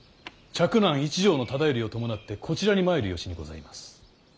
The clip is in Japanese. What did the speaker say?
一条忠頼を伴ってこちらに参る由にございます。